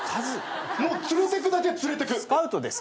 もう連れてくだけ連れてく。